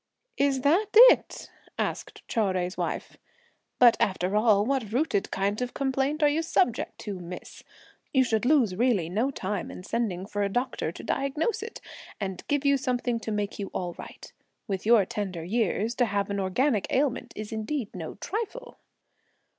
"Is that it?" asked Chou Jui's wife; "but after all, what rooted kind of complaint are you subject to, miss? you should lose really no time in sending for a doctor to diagnose it, and give you something to make you all right. With your tender years, to have an organic ailment is indeed no trifle!"